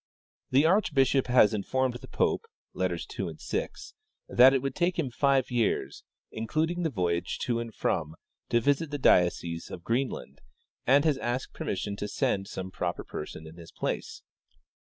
" The archbishop has informed the pope (letters 2, 6) that it would take him five years, including the voyage to and from, to visit the diocese of Greenland, and has asked permission to send some proj^er person in his place.